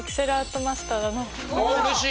おうれしい！